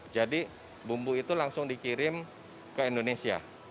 jadi bumbu itu langsung dikirim ke indonesia